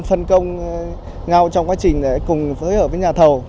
phân công nhau trong quá trình cùng với nhà thầu